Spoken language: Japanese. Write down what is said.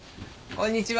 こんにちは。